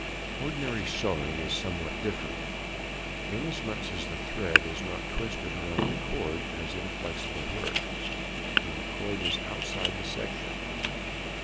Ordinary Sewing is somewhat different, inasmuch as the thread is not twisted round the cord, as in flexible work, when the cord is outside the section.